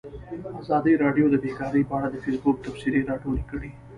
ازادي راډیو د بیکاري په اړه د فیسبوک تبصرې راټولې کړي.